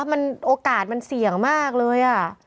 มันโอกาสมันเสี่ยงมากเลย